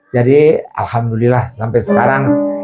alhamdulillah sampai sekarang